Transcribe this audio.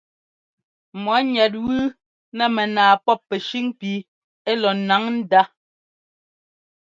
Mɔ̌ ŋɛt wú nɛ mɛnaa pɔ́p pɛ́shʉn pi ɛ́ lɔ ńnáŋ ndá.